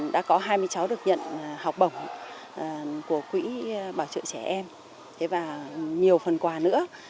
đã có hai mươi cháu được nhận học bổng của quỹ bảo trợ trẻ em và nhiều phần quà nữa